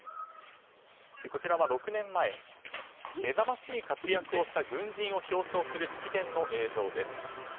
こちらは、６年前目覚ましい活躍を軍人を表彰する式典の映像です。